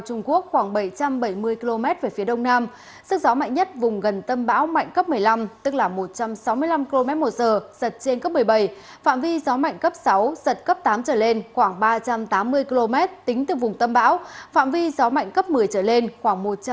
phạm vi gió mạnh cấp một mươi trở lên khoảng một trăm chín mươi km tính từ vùng tâm bão